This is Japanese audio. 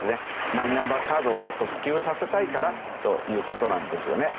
マイナンバーカードをもっと普及させたいからという事なんですよね。